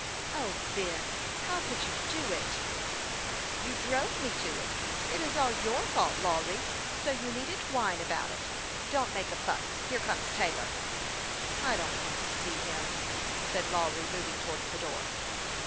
" O, Ben ! How could you do it ?"" You drove me to it. It is all your fault, Lawry ; so you needn't whine about it. Don't make a fuss ; here comes Taylor." " I don't want to see him," said Lawry, moving towards the door.